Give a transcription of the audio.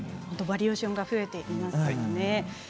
バリエーションが増えていますからね。